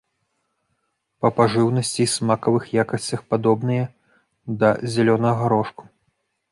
Па пажыўнасці і смакавых якасцях падобныя да зялёнага гарошку.